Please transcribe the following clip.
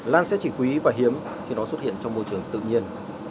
lan sẽ chỉ quý và hiếm khi nó xuất hiện trong môi trường tự nhiên